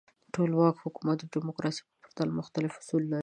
ټولواک حکومت د دموکراسۍ په پرتله مختلف اصول لري.